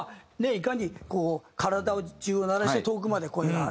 いかに体中を鳴らして遠くまで声が上がるかっていう。